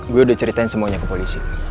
gue udah ceritain semuanya ke polisi